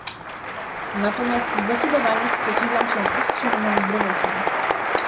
Natomiast zdecydowanie sprzeciwiam się ostrzeżeniom zdrowotnym